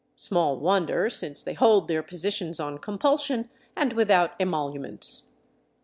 Small wonder, since they hold their positions on compulsion and without emoluments.